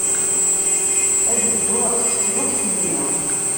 Ad dduɣ ɣef teflukt-nni.